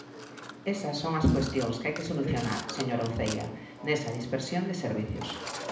Esas son as cuestións que hai que solucionar, señora Uceira, nesa dispersión de servizos.